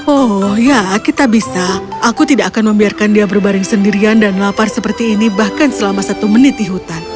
oh ya kita bisa aku tidak akan membiarkan dia berbaring sendirian dan lapar seperti ini bahkan selama satu menit di hutan